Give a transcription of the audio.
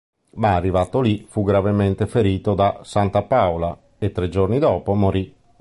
Ma arrivato lì fu gravemente ferito da Santapaola, e tre giorni dopo morì.